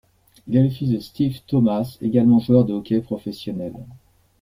Il est le fils de Steve Thomas, également joueur de hockey professionnel.